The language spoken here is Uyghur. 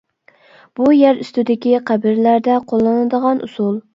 بۇ يەر ئۈستىدىكى قەبرىلەردە قوللىنىدىغان ئۇسۇل.